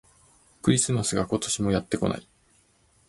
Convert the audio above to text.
クリスマスが、今年もやってこない